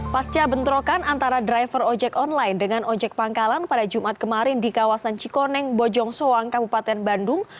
pasca bentrokan antara driver ojek online dengan ojek pangkalan pada jumat kemarin di kawasan cikoneng bojong soang kabupaten bandung